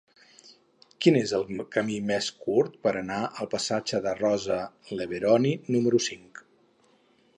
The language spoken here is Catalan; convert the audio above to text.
Quin és el camí més curt per anar al passatge de Rosa Leveroni número cinc?